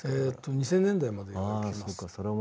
２０００年代までいきます。